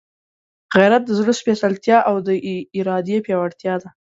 غیرت د زړه سپېڅلتیا او د ارادې پیاوړتیا ده.